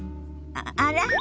あら？